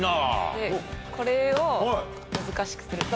でこれを難しくすると。